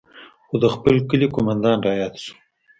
خو د خپل کلي قومندان راياد سو.